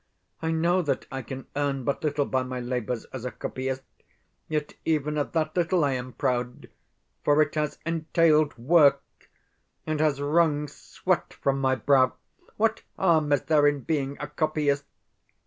I know that I can earn but little by my labours as a copyist; yet even of that little I am proud, for it has entailed WORK, and has wrung sweat from my brow. What harm is there in being a copyist?